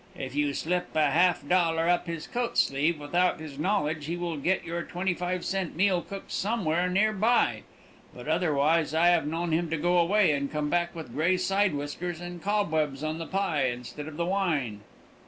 If you slip a half dollar up his coat sleeve without his knowledge he will get your twenty five cent meal cooked somewhere near by, but otherwise I have known him to go away and come back with gray side whiskers and cobwebs on the pie instead of the wine."